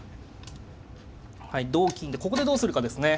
はい同金でここでどうするかですね。